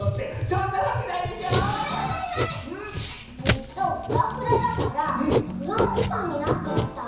えっとフラフラだからフランスパンになってきた？